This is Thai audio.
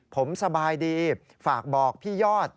ผมสบายดีฝากบอกพี่ยอด